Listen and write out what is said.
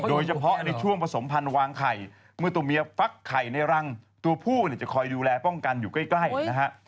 โดยเฉพาะในช่วงผสมพันธ์วางไข่เมื่อตัวเมียฟักไข่ในรังตัวผู้เนี่ยจะคอยดูแลป้องกันอยู่ใกล้นะฮะ